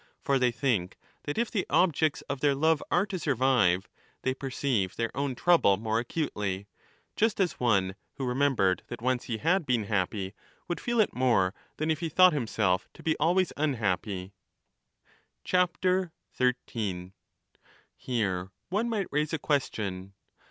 For they think that if the objects of their love are to survive they perceive their own trouble more acutely, just as one who remembered that once he had been happy would feel it more than if he thought himself to be always unhappy. 25 13 Here one might raise a question.